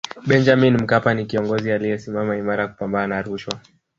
benjamin mkapa ni kiongozi aliyesimama imara kupambana na rushwa